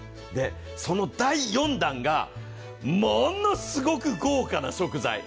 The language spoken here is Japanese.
その第４弾がものすごく豪華な食材。